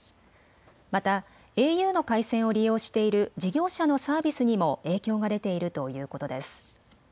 またａｕの回線を利用している事業者のサービスにも影響が出ているということです。